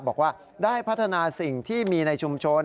บอกว่าได้พัฒนาสิ่งที่มีในชุมชน